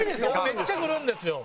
めっちゃくるんですよ。